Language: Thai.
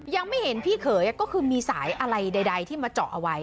ยังไม่เห็นพี่เขยก็คือมีสายอะไรใดที่มาเจาะเอาไว้